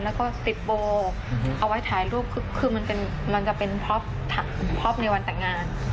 แล้วก็ติดโบเอาไว้ถ่ายรูปคือคือมันเป็นมันจะเป็นในวันแต่งงาน